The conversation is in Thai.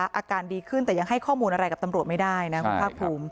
อาการดีขึ้นแต่ยังให้ข้อมูลอะไรกับตำรวจไม่ได้นะคุณภาคภูมิ